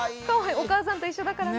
お母さんと一緒だからね。